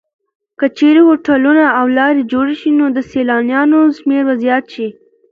که چېرې هوټلونه او لارې جوړې شي نو د سېلانیانو شمېر به زیات شي.